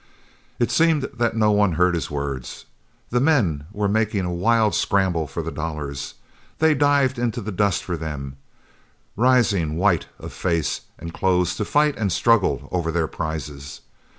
It seemed that no one heard his words. The men were making a wild scramble for the dollars. They dived into the dust for them, rising white of face and clothes to fight and struggle over their prizes.